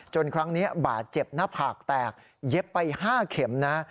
ครั้งนี้บาดเจ็บหน้าผากแตกเย็บไป๕เข็มนะ